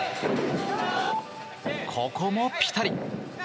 ここもピタリ。